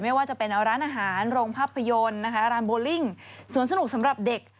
ไม่ว่าจะเป็นร้านอาหารโรงภาพยนตร์นะคะร้านโบลิ่งสวนสนุกสำหรับเด็ก